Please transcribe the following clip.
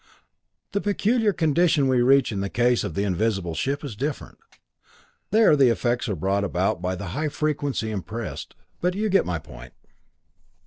The peculiar condition we reach in the case of the invisible ship is different. There the effects are brought about by the high frequency impressed. But you get my point.